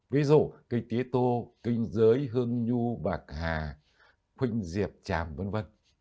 ví dụ cây tía tô cây dưới hương nhu bạc hà khuynh diệt chàm v v